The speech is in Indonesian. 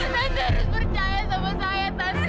tante harus percaya sama saya tante